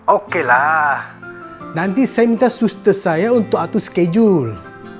oke lah nanti saya minta suster saya untuk atur schedule